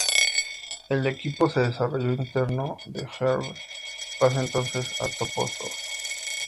El equipo de desarrollo interno de Erbe pasa entonces a Topo Soft.